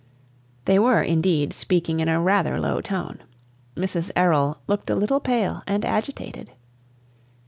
They were, indeed, speaking in a rather low tone. Mrs. Errol looked a little pale and agitated.